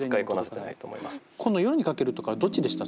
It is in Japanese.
この「夜に駆ける」とかどっちでした？